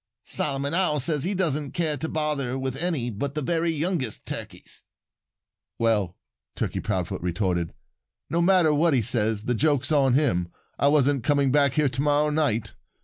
"Solomon Owl says he doesn't care to bother with any but the very youngest Turkeys." "Well," Turkey Proudfoot retorted, "no matter what he says, the joke's on him. I wasn't coming back here to morrow night.